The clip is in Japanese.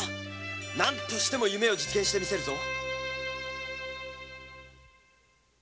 何としても夢を実現して見せるぞ！